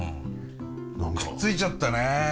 くっついちゃったねえ。